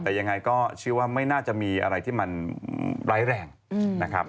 แต่ยังไงก็เชื่อว่าไม่น่าจะมีอะไรที่มันร้ายแรงนะครับ